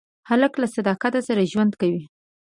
هلک له صداقت سره ژوند کوي.